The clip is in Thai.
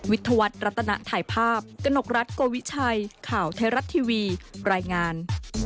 วิทยาวัตรรัตนาถ่ายภาพกระหนกรัฐโกวิชัยข่าวเทรัตทีวีรายงาน